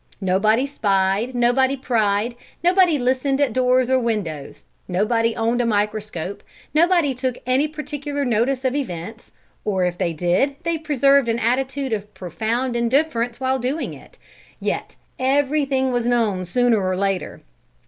Nobody spied, nobody pried, nobody listened at doors or windows, nobody owned a microscope, nobody took any particular notice of events, or if they did they preserved an attitude of profound indifference while doing it, yet everything was known sooner or later.